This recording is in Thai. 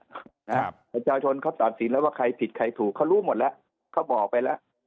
ประชาชนเขาตัดสินแล้วว่าใครผิดใครถูกเขารู้หมดแล้วเขาบอกไปแล้ว